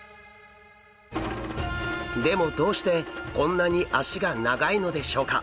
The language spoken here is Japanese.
でもどうしてこんなに脚が長いのでしょうか？